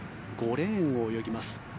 ５レーンを泳ぎます。